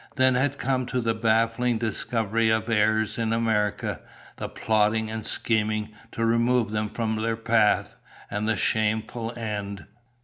Then had come the baffling discovery of heirs in America, the plotting and scheming to remove them from their path and the shameful end.